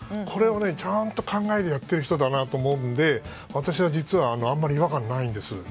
これをちゃんと考えてやっている人だと思うので私は実は、あまり違和感がないんです。